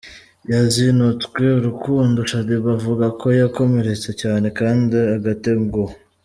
yazinutswe urukundo, Shaddyboo avuga ko yakomeretse cyane kandi agatenguhwa.